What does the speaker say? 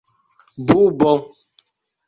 Bubo.